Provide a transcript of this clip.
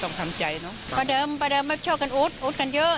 ต้องคำใจเนอะประเดิมประเดิมไม่ชอบกันอุ๊บอุ๊บกันเยอะ